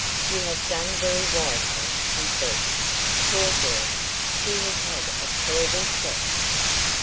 "You have done very wisely," he said. "Poor girl, she has had a terrible shock."